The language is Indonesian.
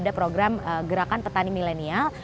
ada program gerakan petani milenial